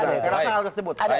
saya rasa hal tersebut